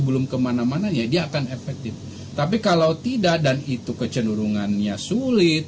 belum kemana mana ya dia akan efektif tapi kalau tidak dan itu kecenderungannya sulit